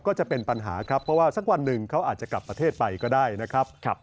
ก็จะเป็นปัญหาครับเพราะว่าสักวันหนึ่งเขาอาจจะกลับประเทศไปก็ได้นะครับ